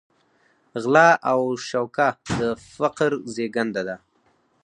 غلا او شوکه د فقر زېږنده ده.